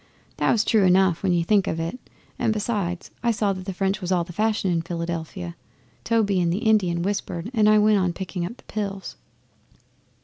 That was true enough when you think of it, and besides I saw that the French was all the fashion in Philadelphia. Toby and the Indian whispered and I went on picking up the pills.